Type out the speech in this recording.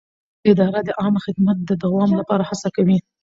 اداره د عامه خدمت د دوام لپاره هڅه کوي.